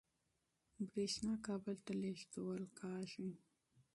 برېښنا کابل ته لېږدول کېږي.